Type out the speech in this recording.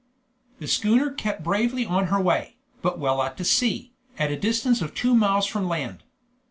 The schooner kept bravely on her way, but well out to sea, at a distance of two miles from land.